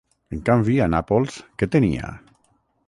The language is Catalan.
En canvi, a Nàpols, què tenia?